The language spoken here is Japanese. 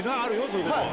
そういうこと。